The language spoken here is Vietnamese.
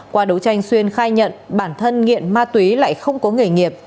qua đấu tranh xuyên khai nhận bản thân nghiện ma túy lại không có nghề nghiệp